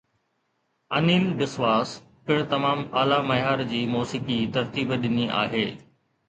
انيل بسواس پڻ تمام اعليٰ معيار جي موسيقي ترتيب ڏني آهي.